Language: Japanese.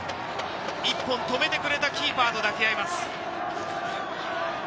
１本止めてくれたキーパーと抱き合います。